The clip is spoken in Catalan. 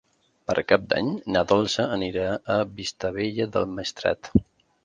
Per Cap d'Any na Dolça anirà a Vistabella del Maestrat.